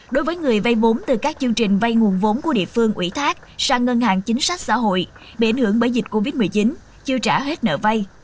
đối với người vay vốn từ các chương trình vay nguồn vốn của địa phương ủy thác sang ngân hàng chính sách xã hội bị ảnh hưởng bởi dịch covid một mươi chín chưa trả hết nợ vay